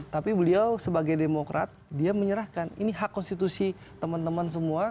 tapi beliau sebagai demokrat dia menyerahkan ini hak konstitusi teman teman semua